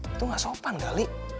itu gak sopan gali